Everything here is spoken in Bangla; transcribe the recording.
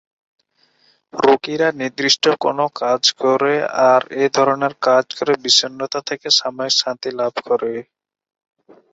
রোগীরা নির্দিষ্ট কোন কাজ করে আর এ ধরনের কাজ করে বিষণ্ণতা থেকে সাময়িক শান্তি লাভ করে।